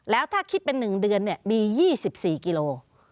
แล้วถ้าคิดเป็น๑เดือนมี๒๔กิโล